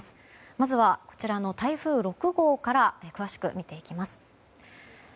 まずは台風６号から詳しく見ていきます。